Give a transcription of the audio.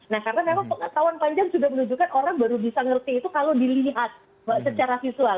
nah karena memang pengetahuan panjang sudah menunjukkan orang baru bisa ngerti itu kalau dilihat secara visual